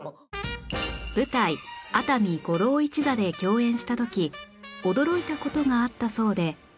舞台「熱海五郎一座」で共演した時驚いた事があったそうで